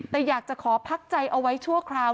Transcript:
แต่อยากจะขอพักใจเอาไว้ชั่วคราว